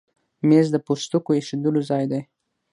مېز د پوستکو ایښودو ځای دی.